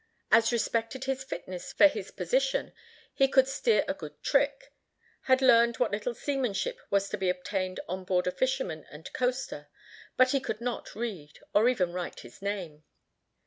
As respected his fitness for his position, he could "steer a good trick," had learned what little seamanship was to be obtained on board a fisherman and coaster, but he could not read, or even write his name.